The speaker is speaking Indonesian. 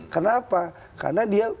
kenapa karena dia